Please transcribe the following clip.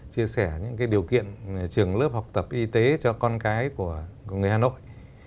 chia sẻ những điều kiện trường lớp học tập y tế cho con cái của người hà nội